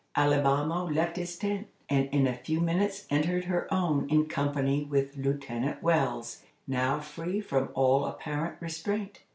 Alibamo left his tent, and in a few minutes entered her own, in company with Lieutenant Wells, now free from all apparent restraint.